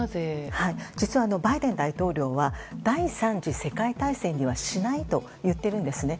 実はバイデン大統領は第３次世界大戦にはしないと言っているんですね。